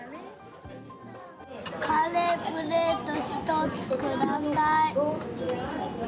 カレープレート１つください。